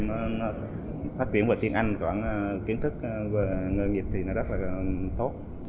em thấy khả năng của em phát triển về tiếng anh kiến thức về nghề nghiệp rất tốt